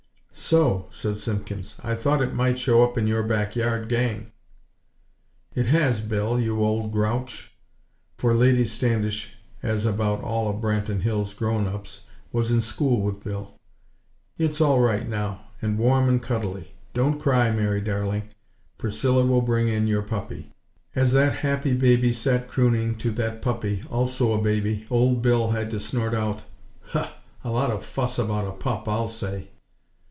"So," said Simpkins, "I thought it might show up in your back yard gang." "It has, Bill, you old grouch!!" for Lady Standish, as about all of Branton Hills' grown ups, was in school with Bill. "It's all right, now, and warm and cuddly. Don't cry, Mary darling. Priscilla will bring in your puppy." As that happy baby sat crooning to that puppy, also a baby, Old Bill had to snort out: "Huh! A lot of fuss about a pup, I'll say!"